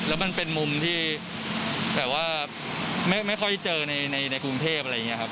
แล้วมันเป็นมุมที่แบบว่าไม่ค่อยเจอในกรุงเทพอะไรอย่างนี้ครับ